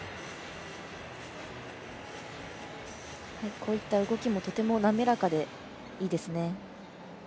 こういった動きもとてもなめらかでいいですね。